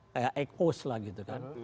kayak ekos lah gitu kan